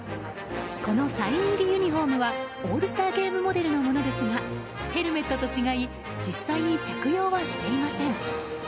このサイン入りにユニホームはオールスターモデルのものですがヘルメットと違い実際に着用はしていません。